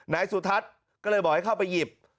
นายสุทัศน์ก็เลยบอกให้เข้าไปหยิบ